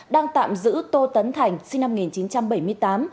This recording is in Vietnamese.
đang tạm giữ tô tấn thành sinh năm một nghìn chín trăm bảy mươi tám